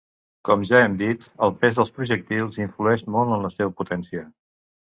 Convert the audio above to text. Com ja hem dit, el pes dels projectils influeix molt en la seva potència.